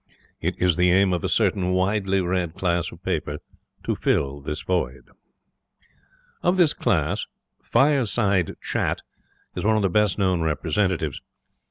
It is the aim of a certain widely read class of paper to fill this void. Of this class Fireside Chat was one of the best known representatives.